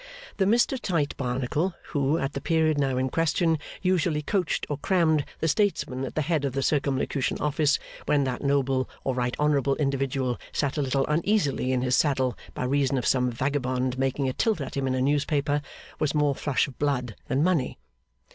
The Mr Tite Barnacle who at the period now in question usually coached or crammed the statesman at the head of the Circumlocution Office, when that noble or right honourable individual sat a little uneasily in his saddle by reason of some vagabond making a tilt at him in a newspaper, was more flush of blood than money.